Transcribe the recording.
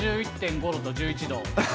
１１．５度と１１度。